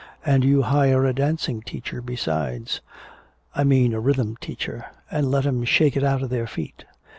And you hire a dancing teacher besides I mean a rhythm teacher and let 'em shake it out of their feet.